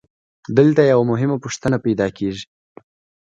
دلته یوه مهمه پوښتنه پیدا کېږي